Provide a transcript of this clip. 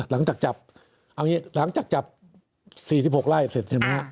หลังจากจับ๔๖ไล่เสร็จใช่ไหม